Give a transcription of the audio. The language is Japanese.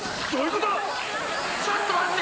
ちょっと待って。